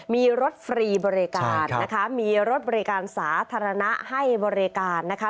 มีรถฟรีบริการนะคะมีรถบริการสาธารณะให้บริการนะคะ